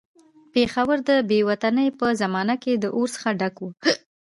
پېښور د بې وطنۍ په زمانه کې د اور څخه ډک وو.